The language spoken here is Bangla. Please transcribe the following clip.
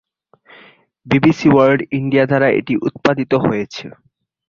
বিবিসি ওয়ার্ল্ডওয়াইড ইন্ডিয়া দ্বারা এটি উৎপাদিত হয়েছে।